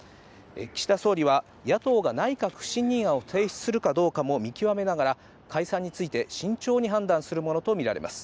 岸田総理は、野党が内閣不信任案を提出するかどうかも見極めながら、解散について慎重に判断するものと見られます。